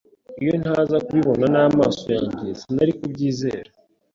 Iyo ntaza kubibona n'amaso yanjye, sinari kubyizera.